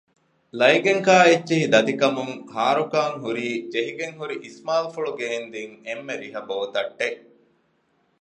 ލައިގެންކާ އެއްޗެހި ދަތިކަމުން ހާރުކާން ހުރީ ޖެހިގެންހުރި އިސްމާއީލްފުޅު ގެއިން ދިން އެންމެ ރިހަ ބޯތައްޓެއް